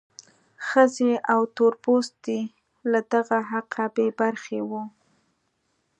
ښځې او تور پوستي له دغه حقه بې برخې وو.